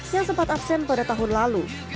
yang sempat absen pada tahun lalu